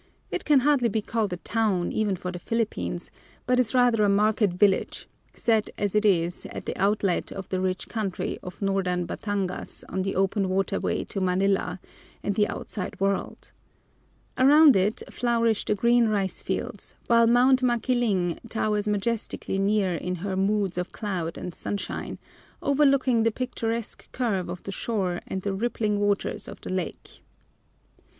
It can hardly be called a town, even for the Philippines, but is rather a market village, set as it is at the outlet of the rich country of northern Batangas on the open waterway to Manila and the outside world. Around it flourish the green rice fields, while Mount Makiling towers majestically near in her moods of cloud and sunshine, overlooking the picturesque curve of the shore and the rippling waters of the lake.